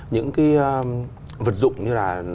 những vật dụng như là